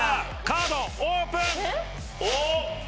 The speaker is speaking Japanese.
カードオープン！